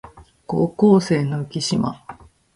高校生の浮島